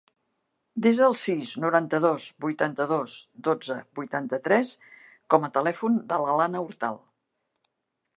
Desa el sis, noranta-dos, vuitanta-dos, dotze, vuitanta-tres com a telèfon de l'Alana Hortal.